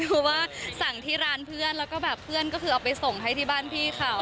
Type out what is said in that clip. คือว่าสั่งที่ร้านเพื่อนแล้วก็แบบเพื่อนก็คือเอาไปส่งให้ที่บ้านพี่เขา